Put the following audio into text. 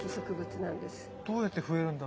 どうやって増えるんだ？